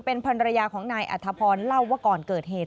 เป็นภรรยาของนายอัธพรเล่าว่าก่อนเกิดเหตุ